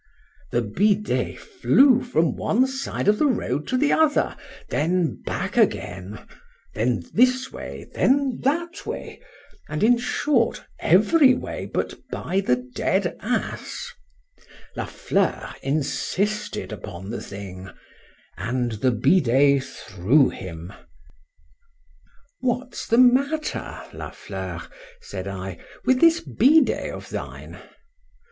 The bidet flew from one side of the road to the other, then back again,—then this way, then that way, and in short, every way but by the dead ass:—La Fleur insisted upon the thing—and the bidet threw him. What's the matter, La Fleur, said I, with this bidet of thine?